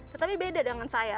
tetapi beda dengan saya